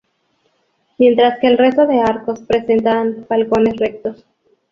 Mientras que el resto de arcos presentan balcones rectos.